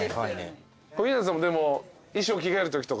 小日向さんもでも衣装着替えるときとか。